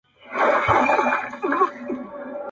یو په یو به نیسي ګرېوانونه د قاتل قصاب!.